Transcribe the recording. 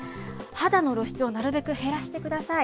肌の露出をなるべく減らしてください。